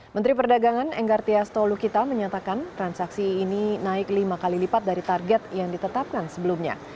menteri perdagangan enggar tias tolukita menyatakan transaksi ini naik lima kali lipat dari target yang ditetapkan sebelumnya